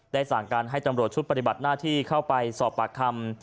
สั่งการให้ตำรวจชุดปฏิบัติหน้าที่เข้าไปสอบปากคำ